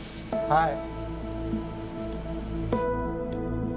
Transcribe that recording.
はい。